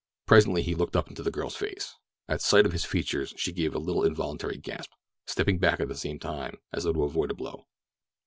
Presently he looked up into the girl's face. At sight of his features she gave a little involuntary gasp, stepping back at the same time as though to avoid a blow.